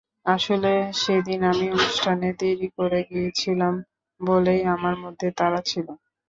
আসলে সেদিন আমি অনুষ্ঠানে দেরি করে গিয়েছিলাম বলেই আমার মধ্যে তাড়া ছিল।